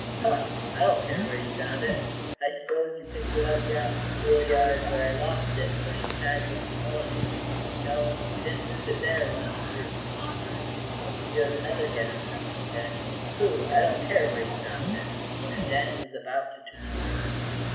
"Huh! I don't care where you found it. I s'pose you picked it up around the school yard, where I lost it, playing tag with the fellows." "No, you didn't lose it there," went on Bert, still smiling. "You have another guess coming, Danny." "Pooh! I don't care where you found it," and Danny was about to turn away.